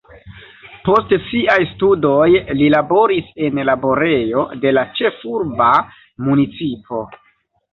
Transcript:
Post siaj studoj li laboris en laborejo de la ĉefurba municipo.